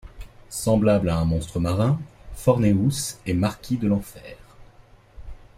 Semblable à un monstre marin, Forneus est marquis de l'enfer.